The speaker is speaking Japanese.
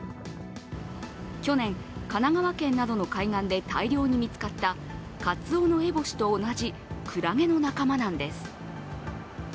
去年、神奈川県などの海岸で、大量に見つかったカツオノエボシと同じクラゲの仲間なんです。